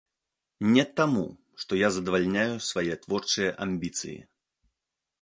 Не таму, што я задавальняю свае творчыя амбіцыі.